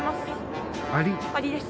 アリです。